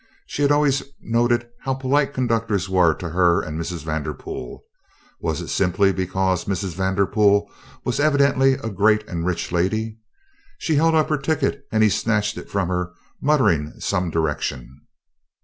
She had always noted how polite conductors were to her and Mrs. Vanderpool was it simply because Mrs. Vanderpool was evidently a great and rich lady? She held up her ticket and he snatched it from her muttering some direction.